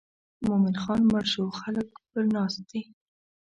مومن خان مړ شو خلک پر ناست دي.